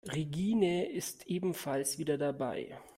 Regine ist ebenfalls wieder dabei.